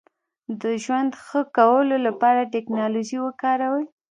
د ژوند ښه کولو لپاره ټکنالوژي وکاروئ.